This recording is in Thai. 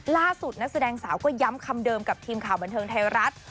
นักแสดงสาวก็ย้ำคำเดิมกับทีมข่าวบันเทิงไทยรัฐ